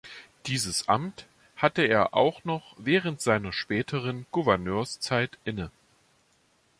Dieses Amt hatte er auch noch während seiner späteren Gouverneurszeit inne.